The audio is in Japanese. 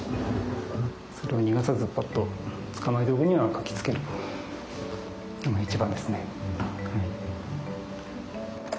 それを逃がさずぱっと捕まえておくには書きつけるのが一番ですね。